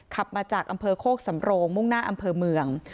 ขับมาจากอำเภอโคกสำโรงมุ่งหน้าอำเภอเมือง